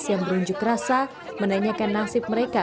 yang berunjuk rasa menanyakan nasib mereka